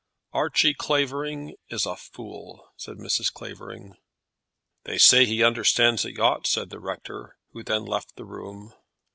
"Archie Clavering is a fool," said Mrs. Clavering. "They say he understands a yacht," said the rector, who then left the room.